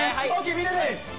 みんなで！